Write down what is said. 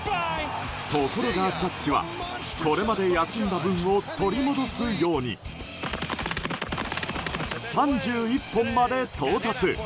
ところが、ジャッジはこれまで休んだ分を取り戻すように３１本まで到達。